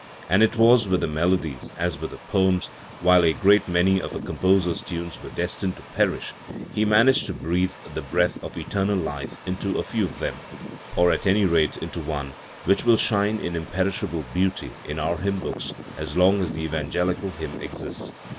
.And it was with the melodies as with the poems: while a great many of a composer's times were destined to perish, he managed to breathe the breath of eternal life into a few of them, or at any rate into one, which will shine in imperishable beauty in our hymn books as long as the evangelical hymn exists.